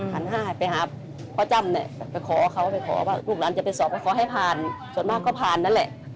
ไปหาพ่อจ้ำเนี่ยไปขอเขาไปขอว่าลูกหลานจะไปสอบก็ขอให้ผ่านส่วนมากก็ผ่านนั่นแหละ